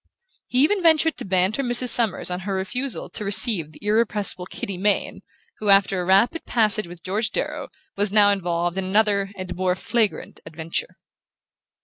He even ventured to banter Mrs. Summers on her refusal to receive the irrepressible Kitty Mayne who, after a rapid passage with George Darrow, was now involved in another and more flagrant adventure.